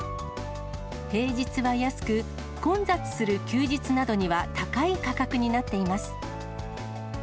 平日は安く、混雑する休日などには高い価格になっています。